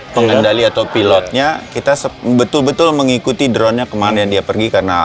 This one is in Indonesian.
pengendali atau pilotnya kita betul betul mengikuti dronenya kemana dia pergi karena